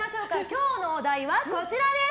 今日のお題はこちらです！